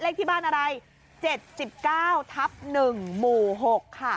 เลขที่บ้านอะไรเจ็ดจิบเก้าทับหนึ่งหมู่หกค่ะ